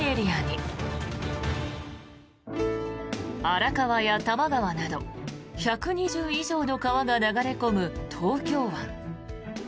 荒川や多摩川など１２０以上の川が流れ込む東京湾。